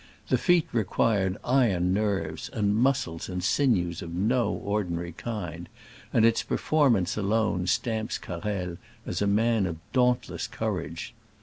The feat required iron nerves and mus cles and sinews of no ordinary kind, and its performance alone stamps Car rel as a man of dauntless courage.